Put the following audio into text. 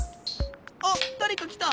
あっだれかきた。